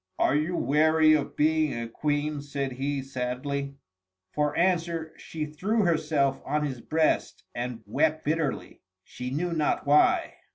"Are you weary of being a Queen?" said he, sadly. For answer she threw herself on his breast and wept bitterly, she knew not why.